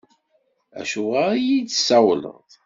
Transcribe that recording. Acuɣer i iyi-d-tessawleḍ?